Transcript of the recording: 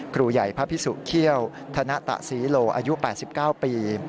ครูใหญ่พระพิสุเขี้ยวธนตะศรีโลอายุ๘๙ปี